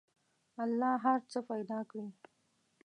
الله هر څه پیدا کړي.